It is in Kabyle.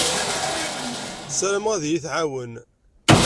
Ssarameɣ ad iyi-tɛawen.